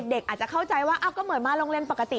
เด็กอาจจะเข้าใจว่าก็เหมือนมาโรงเรียนปกติ